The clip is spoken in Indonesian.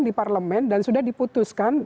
di parlemen dan sudah diputuskan